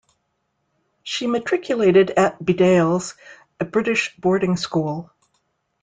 She matriculated at Bedales, a British boarding school.